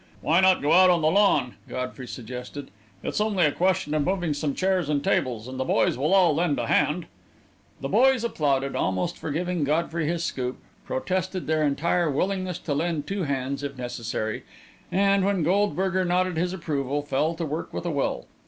"Why not go out on the lawn?" Godfrey suggested. "It's only a question of moving some chairs and tables, and the boys will all lend a hand." The boys applauded, almost forgiving Godfrey his scoop, protested their entire willingness to lend two hands if necessary, and, when Goldberger nodded his approval, fell to work with a will.